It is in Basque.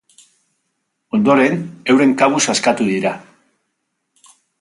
Ondoren, euren kabuz askatu dira.